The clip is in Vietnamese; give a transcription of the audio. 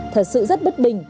thật sự rất bất bình